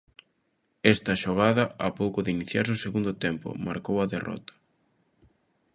Esta xogada, a pouco de iniciarse o segundo tempo, marcou a derrota.